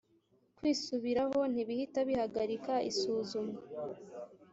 kwisubiraho ntibihita bihagarika isuzumwa.